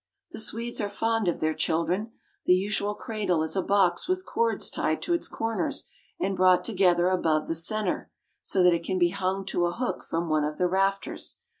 The Swedes are fond of their children. The usual cradle is a box with cords tied to its corners and brought together above the center, so that it can be hung to a hook from one of the rafters.